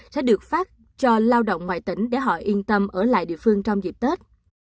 sẽ được phát cho lao động ngoài tỉnh để họ yên tâm ở lại địa phương trong dịp tết